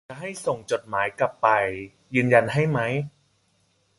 จะให้ส่งจดหมายกลับไปยืนยันให้ไหม